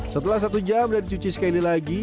setelah satu jam dan dicuci sekali lagi